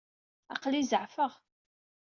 Aql-i zeɛfeɣ.